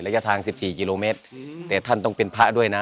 ระยะทาง๑๔กิโลเมตรแต่ท่านต้องเป็นพระด้วยนะ